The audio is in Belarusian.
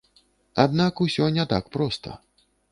Аднак усё не так проста.